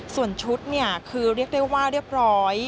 ส่วนชุดเนี่ยคือเรียกได้ว่าเรียบร้อย